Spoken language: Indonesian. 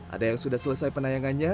ada yang sudah selesai penayangannya